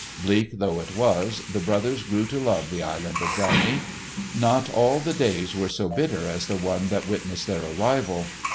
Bleak though it was, the brothers grew to love the Island of Drangey. Not all the days were so bitter as the one that witnessed their arrival.